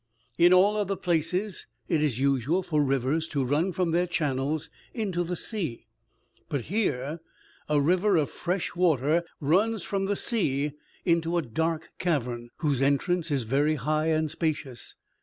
In all other places it is usual for rivers to run from their channels into the sea; but here a river of fresh water runs from the sea into a dark cavern, whose entrance is very high and spacious.